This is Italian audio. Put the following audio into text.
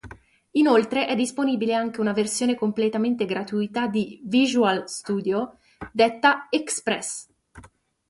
Inoltre, è disponibile anche una versione completamente gratuita di Visual Studio detta "Express".